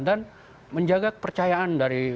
dan menjaga kepercayaan dari